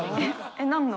えっ何の？